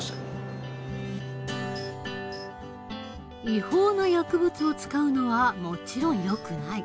違法な薬物を使うのはもちろんよくない。